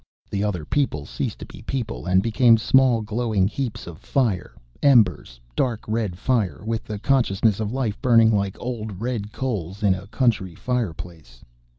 The other people ceased to be people and became small glowing heaps of fire, embers, dark red fire, with the consciousness of life burning like old red coals in a country fireplace.